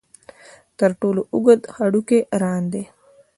تر ټولو اوږد هډوکی ران دی.